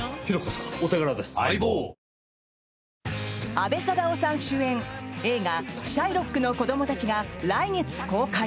阿部サダヲさん主演映画「シャイロックの子供たち」が来月公開！